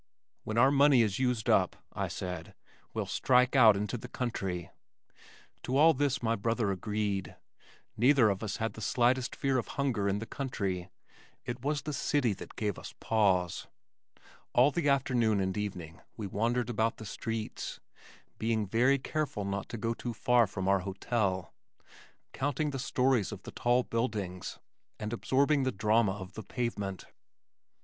"When our money is used up," I said, "we'll strike out into the country." To all this my brother agreed. Neither of us had the slightest fear of hunger in the country. It was the city that gave us pause. All the afternoon and evening we wandered about the streets (being very careful not to go too far from our hotel), counting the stories of the tall buildings, and absorbing the drama of the pavement.